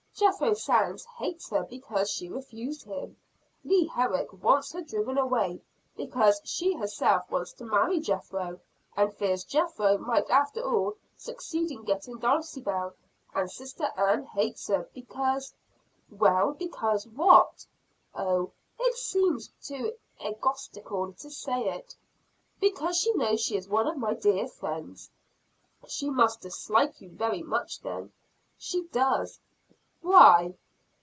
Jethro Sands hates her because she refused him; Leah Herrick wants her driven away, because she herself wants to marry Jethro, and fears Jethro might after all, succeed in getting Dulcibel; and Sister Ann hates her, because " "Well, because what?" "Oh, it seems too egotistical to say it because she knows she is one of my dear friends." "She must dislike you very much then?" "She does." "Why?"